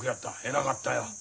偉かったよ。